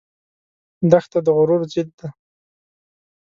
دښته د غرور ضد ده.